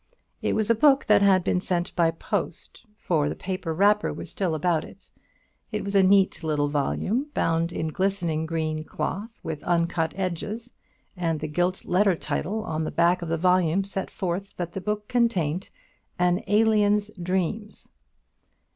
It was a book that had been sent by post, for the paper wrapper was still about it. It was a neat little volume, bound in glistening green cloth, with uncut edges, and the gilt letter title on the back of the volume set forth that the book contained "An Alien's Dreams."